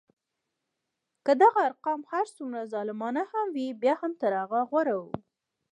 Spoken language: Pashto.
که دغه ارقام هر څومره ظالمانه هم وي بیا هم تر هغه غوره وو.